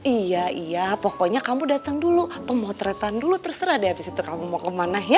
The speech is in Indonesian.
iya iya pokoknya kamu datang dulu pemotretan dulu terserah deh abis itu kamu mau kemana ya